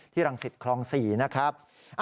ที่รังสิทธิ์คลอง๔นะครับ